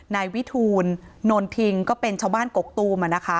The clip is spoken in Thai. นายวิทูลนนทิงก็เป็นชาวบ้านกกตูม